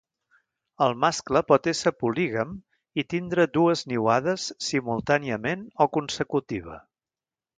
El mascle pot ésser polígam i tindre dues niuades simultàniament o consecutiva.